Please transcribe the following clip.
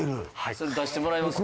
それ出してもらえますか？